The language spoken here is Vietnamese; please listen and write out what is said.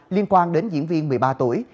liên quan đến diễn viên một mươi ba tuổi